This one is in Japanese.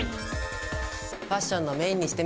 ファッションのメインにしてみてね。